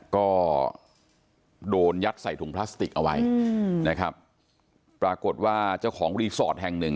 ก็โดนยัดใส่ถุงพลาสติกเอาไว้อืมนะครับปรากฏว่าเจ้าของรีสอร์ทแห่งหนึ่ง